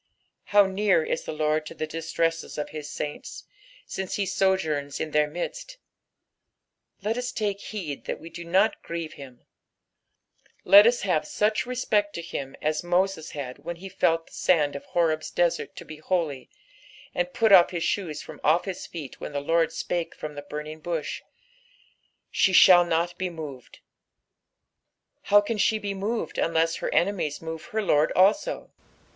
Bow near ia the Lord to the distresses of his saints, since he sojourns in their midst I Let us take heed that we do not grieve him ; lot us have such respect to him as Hoses had when he felt the sand of Horeb's desert to be holy, and put off bis shoes from off his feet when the Lord spake from the burning bush. "She ihaU not be moved." How can she be moved unless her enemies move her Lord also